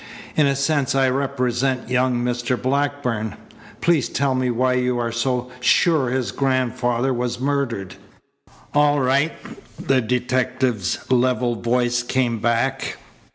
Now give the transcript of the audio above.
In a sense I represent young Mr. Blackburn. Please tell me why you are so sure his grandfather was murdered." "All right," the detective's level voice came back.